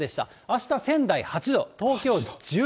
あした仙台８度、東京１２度。